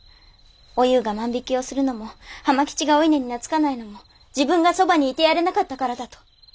おゆうが万引きをするのも浜吉がお稲に懐かないのも自分がそばにいてやれなかったからだと。